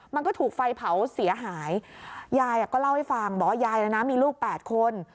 มันก็ถูกไฟเผาเสียหายยายก็เล่าให้ฟังบอกว่ายายนะนะมีลูก๘คน